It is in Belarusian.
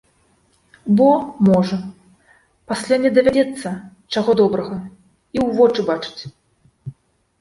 Бо, можа, пасля не давядзецца, чаго добрага, і ў вочы бачыць.